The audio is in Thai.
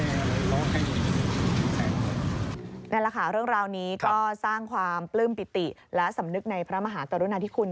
นั่นแหละค่ะเรื่องราวนี้ก็สร้างความปลื้มปิติและสำนึกในพระมหากรุณาธิคุณ